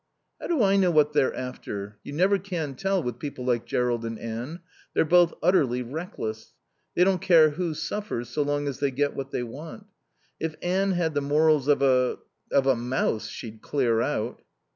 "How do I know what they're after? You never can tell with people like Jerrold and Anne. They're both utterly reckless. They don't care who suffers so long as they get what they want. If Anne had the morals of a of a mouse, she'd clear out."